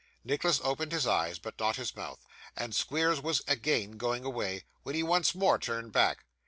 Nicholas opened his eyes, but not his mouth; and Squeers was again going away, when he once more turned back.